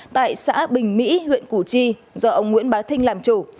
tại xã bình mỹ huyện củ chi do ông nguyễn bá thinh làm chủ